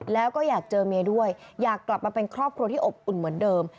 แล้วก็อยากเจอเมียด้วยอยากกลับมาเป็นครอบครัวที่อบอุ่นเหมือนเดิม